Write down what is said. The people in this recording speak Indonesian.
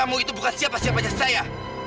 kamu itu bukan siapa siapanya saya